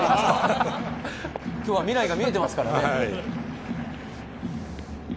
今日は未来が見えていますからね。